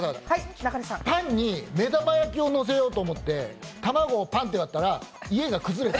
パンに目玉焼きをのせようと思って卵をパンって割ったら家が崩れた。